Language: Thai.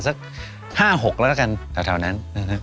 สัก๕๖แล้วกันแถวนั้น